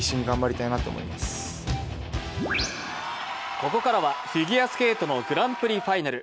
ここからはフィギュアスケートのグランプリファイナル。